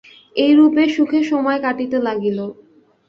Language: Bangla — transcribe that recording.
এইরূপে সুখে সময় কাটিতে লাগিল।